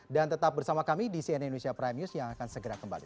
dan tetap bersama kami di cnn indonesia prime news yang akan segera kembali